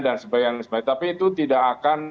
dan sebagainya tapi itu tidak akan